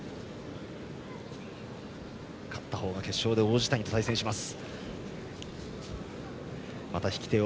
勝った方が決勝で王子谷と対戦します。